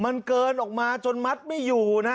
มันเกินออกมาจนมัดไม่อยู่นะ